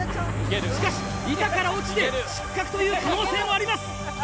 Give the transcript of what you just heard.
しかし板から落ちて失格という可能性もあります。